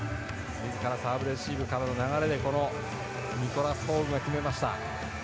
自らサーブレシーブからの流れでニコラス・ホーグが決めました。